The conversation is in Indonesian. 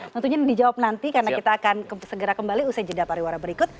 tentunya dijawab nanti karena kita akan segera kembali usai jeda pariwara berikut